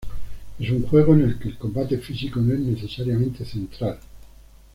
Es un juego en el que el combate físico no es necesariamente central.